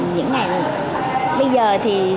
những ngày bây giờ thì